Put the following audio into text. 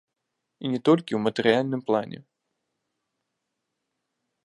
І не толькі ў матэрыяльным плане.